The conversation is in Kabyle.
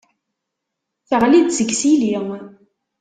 Teɣli-d seg yisili.